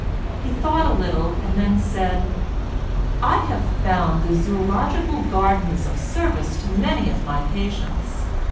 He thought a little and then said:— "I have found the Zoological Gardens of service to many of my patients.